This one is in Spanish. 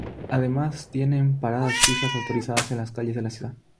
Además, tiene paradas fijas autorizadas en las calles de la ciudad.